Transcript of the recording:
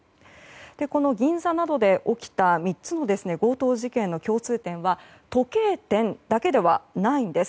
この銀座などで起きた３つの強盗事件の共通点は時計店だけではないんです。